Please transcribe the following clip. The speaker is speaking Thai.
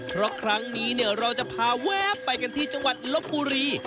เพราะครั้งนี้เราจะพาแว๊บไปกันที่จังหวัดลบบุรี